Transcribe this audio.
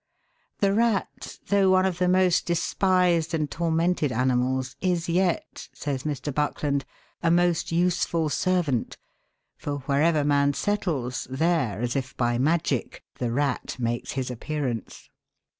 The rat, though one of the most despised and tor 244 THE WORLD'S LUMBER ROOM. merited animals, is yet, says Mr. Buckland, a most useful servant, for wherever man settles \ there, as if by magic, the rat makes his appearance.